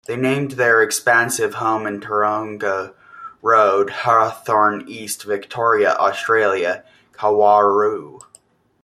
They named their expansive home in Tooronga Road, Hawthorn East, Victoria, Australia; "Kawarau".